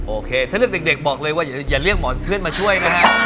โอเคถ้าเรื่องเด็กบอกเลยว่าอย่าเรียกหมอนเพื่อนมาช่วยนะฮะ